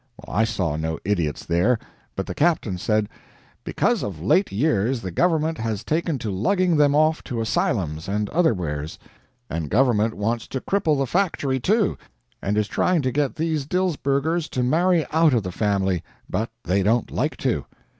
I saw no idiots there, but the captain said, "Because of late years the government has taken to lugging them off to asylums and otherwheres; and government wants to cripple the factory, too, and is trying to get these Dilsbergers to marry out of the family, but they don't like to."